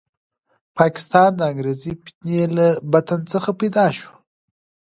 پاکستان د انګریزي فتنې له بطن څخه پیدا شو.